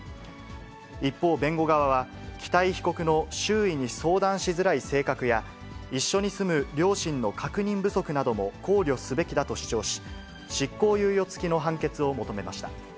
一方、弁護側は、北井被告の周囲に相談しづらい性格や、一緒に住む両親の確認不足なども考慮すべきだと主張し、執行猶予付きの判決を求めました。